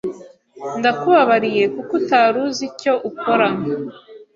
Ndakubabariye kuko utari uzi icyo ukora.